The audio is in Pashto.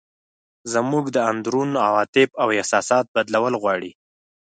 زموږ د اندرون عواطف او احساسات بدلول غواړي.